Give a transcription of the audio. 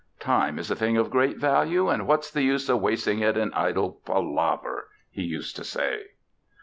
"Time is a thing of great value and what's the use of wasting it in idle palaver?" he used to say.